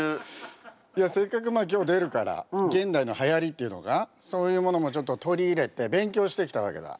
いやせっかく今日出るから現代のはやりっていうのがそういうものもちょっと取り入れて勉強してきたわけだ。